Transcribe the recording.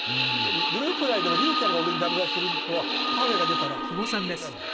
グループ内でも竜ちゃんが俺に駄目出しするのはパフェが出たら危険なんだよ。